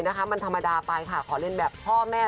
พอเด็กใส่ไปก็อาจจะแบบว่า